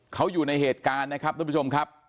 เขาอยู่ในเหตุการณ์นะครับทุกผู้ชมครับ